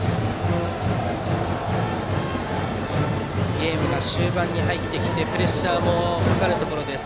ゲームが終盤に入ってきてプレッシャーもかかるところです。